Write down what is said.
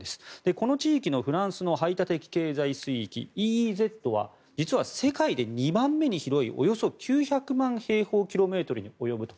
この地域のフランスの排他的経済水域・ＥＥＺは実は世界で２番目に広いおよそ９００万平方キロメートルに及ぶと。